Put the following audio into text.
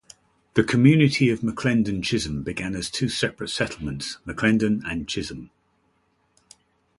The community of McLendon-Chisholm began as two separate settlements: McLendon and Chisholm.